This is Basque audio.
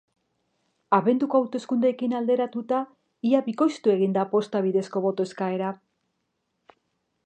Abenduko hauteskundeekin alderatuta, ia bikoiztu egin da posta bidezko boto eskaera.